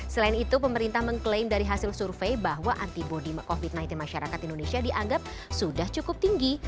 selain itu pemerintah mengklaim dari hasil survei bahwa antibody covid sembilan belas masyarakat indonesia dianggap sudah cukup tinggi